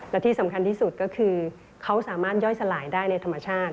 และที่สำคัญที่สุดก็คือเขาสามารถย่อยสลายได้ในธรรมชาติ